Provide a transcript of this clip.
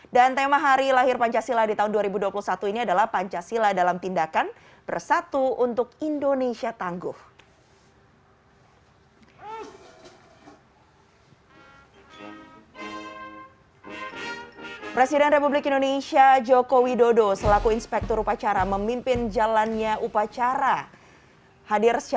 dan tema hari lahir pancasila di tahun dua ribu dua puluh satu ini adalah pancasila dalam tindakan bersatu untuk indonesia tangguh